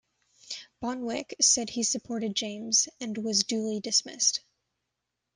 Bonwicke said he supported James and was duly dismissed.